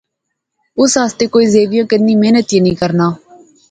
اس آسطے کوئی زیوِیاں کنے محنت ای نی کرنا